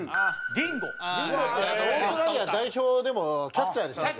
ディンゴってオーストラリア代表でもキャッチャーでしたし。